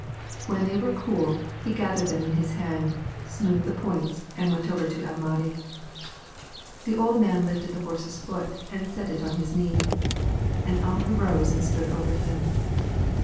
When they were cool, he gathered them in his hand, smoothed the points, and went over to El Mahdi. The old man lifted the horse's foot, and set it on his knee, and Ump arose and stood over him.